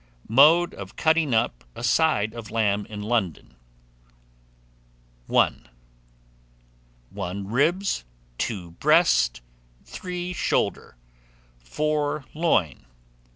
MODE OF CUTTING UP A SIDE OF LAMB IN LONDON. 1, 1. Ribs; 2. Breast; 3. Shoulder; 4. Loin; 5.